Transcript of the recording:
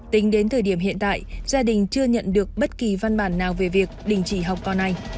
tính đến thời điểm hiện tại gia đình chưa nhận được bất kỳ văn bản nào về việc đình chỉ học con anh